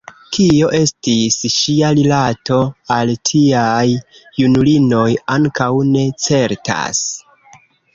Kio estis ŝia rilato al tiaj junulinoj, ankaŭ ne certas.